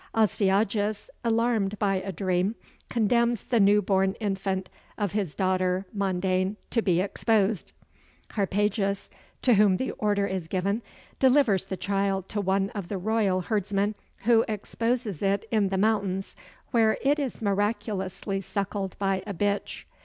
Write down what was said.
Astyages, alarmed by a dream, condemns the newborn infant of his daughter Mandane to be exposed: Harpagus, to whom the order is given, delivers the child to one of the royal herdsmen, who exposes it in the mountains, where it is miraculously suckled by a bitch.